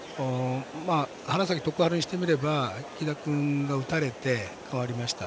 花咲徳栄にしてみれば木田君が打たれて、代わりました。